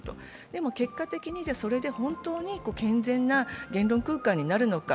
でも結果的にそれで本当に健全な言論空間になるのか。